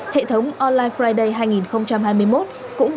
hệ thống online friday hai nghìn hai mươi một cũng đã kết thúc